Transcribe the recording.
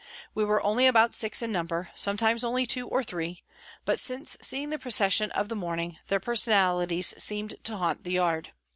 We were only about six in number, sometimes only two or three, but, since seeing the procession of the morning, their personalities seemed to haunt the yard.